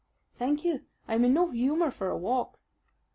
"Thank you, I am in no humour for a walk."